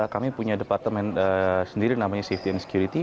kami punya departemen sendiri namanya safety and security